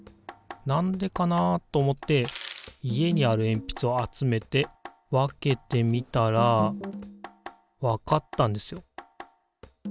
何でかなと思って家にあるえんぴつを集めて分けてみたらわかったんですよ